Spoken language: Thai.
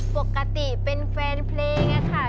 ปกติเป็นแฟนเพลงอะค่ะ